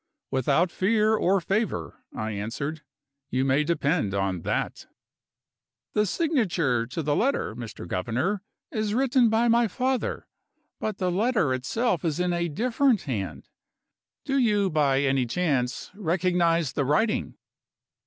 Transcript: "Without fear or favor," I answered, "you may depend on that." "The signature to the letter, Mr. Governor, is written by my father. But the letter itself is in a different hand. Do you, by any chance, recognize the writing?"